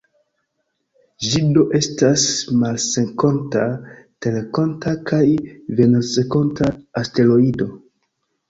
Ĝi do estas marsrenkonta, terrenkonta kaj venusrenkonta asteroido.